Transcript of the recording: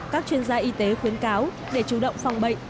các chuyên gia y tế khuyến cáo để chủ động phòng bệnh